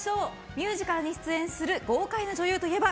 ミュージカルに出演する豪快な女優といえば？